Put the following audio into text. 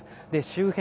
周辺